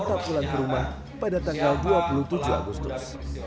tetap pulang ke rumah pada tanggal dua puluh tujuh agustus